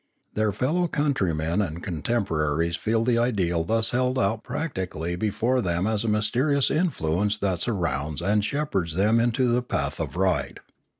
Their fellow countrymen and contempo raries feel the ideal thus held out practically before them as a mysterious influence that surrounds and shepherds them into the path of right.